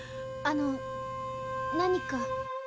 あの何か？